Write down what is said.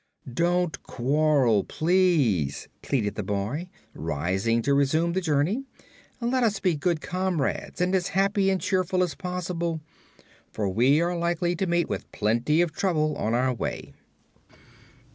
"Don't quarrel, please," pleaded the boy, rising to resume the journey. "Let us be good comrades and as happy and cheerful as possible, for we are likely to meet with plenty of trouble on our way."